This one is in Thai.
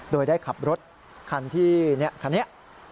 โดยได้ขับรถคันที่คันนี้